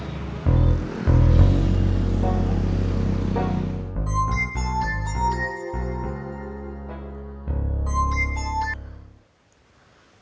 ibu aku pulang aku pulang